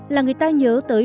là người ta nhớ tới